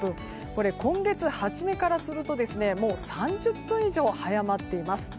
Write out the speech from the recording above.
これ、今月初めからするともう３０分以上早まっています。